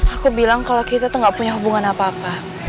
aku bilang kalau kita tuh gak punya hubungan apa apa